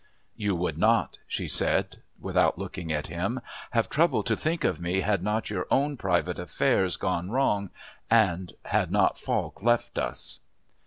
"You would not," she said, without looking at him, "have troubled to think of me had not your own private affairs gone wrong and had not Falk left us!"